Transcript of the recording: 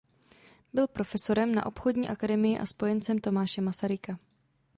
Byl profesorem na obchodní akademii a spojencem Tomáše Masaryka.